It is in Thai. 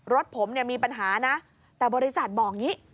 รถผมเนี่ยมีปัญหานะแต่บริษัทบอกอย่างนี้